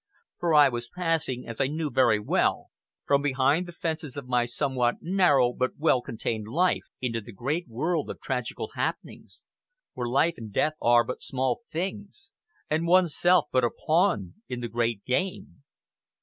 For I was passing, as I knew very well, from behind the fences of my somewhat narrow but well contained life into the great world of tragical happenings, where life and death are but small things, and one's self but a pawn in the great game.